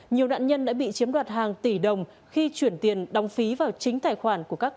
nhiều nạn nhân đã bị chiếm đoạt hàng tỷ đồng khi chuyển tiền đóng phí vào chính tài khoản của các